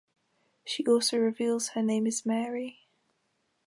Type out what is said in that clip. She also reveals her real name is Mary.